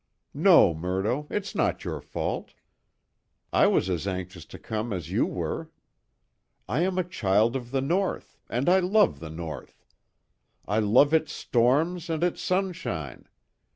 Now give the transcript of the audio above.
"No, Murdo, it is not your fault. I was as anxious to come as you were. I am a child of the North, and I love the North. I love its storms and its sunshine.